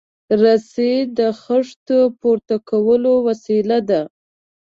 رسۍ د خښتو پورته کولو وسیله ده.